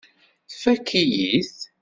Tfakk-iyi-t.